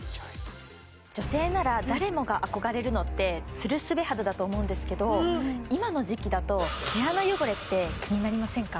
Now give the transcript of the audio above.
女性なら誰もが憧れるのってツルスベ肌だと思うんですけど今の時期だと毛穴汚れって気になりませんか？